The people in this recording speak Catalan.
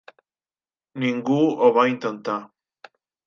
Ningú ho va intentar.